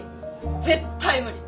絶対無理！